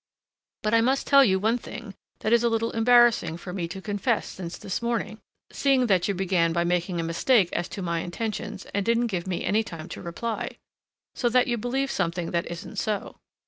But I must tell you one thing that is a little embarrassing for me to confess since this morning, seeing that you began by making a mistake as to my intentions and didn't give me any time to reply; so that you believe something that isn't so.